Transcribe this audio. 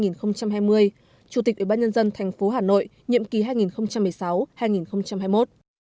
ngày hai mươi năm tháng chín năm hai nghìn hai mươi chủ tịch ủy ban nhân dân thành phố hà nội nhiệm ký hai nghìn một mươi sáu hai nghìn hai mươi một